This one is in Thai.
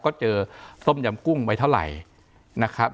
ก็เจอต้มยำกุ้งไว้เท่าไหร่นะครับ